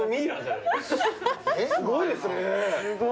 すごいですね。